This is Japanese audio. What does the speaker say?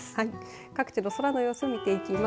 各地の空の様子を見ていきます。